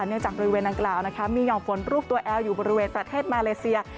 จากบริเวณดังกล่าวมีห่อมฝนรูปตัวแอลอยู่บริเวณประเทศมาเลเซีย